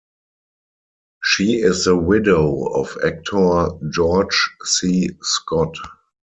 She is the widow of actor George C. Scott.